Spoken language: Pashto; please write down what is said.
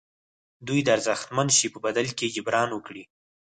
دوی د ارزښتمن شي په بدل کې جبران وکړي.